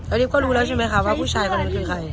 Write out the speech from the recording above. โอลิฟต์ก็รู้แล้วใช่มั้ยคะว่าผู้ชายคนนี้คือใคร